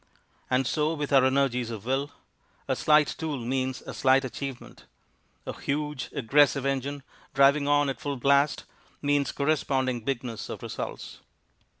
And so with our energies of will; a slight tool means a slight achievement; a huge, aggressive engine, driving on at full blast, means corresponding bigness of results.